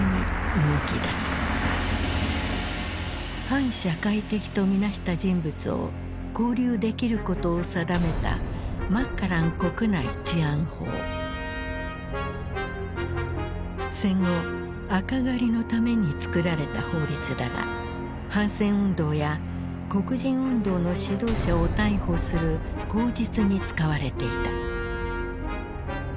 反社会的と見なした人物を拘留できることを定めた戦後赤狩りのために作られた法律だが反戦運動や黒人運動の指導者を逮捕する口実に使われていた。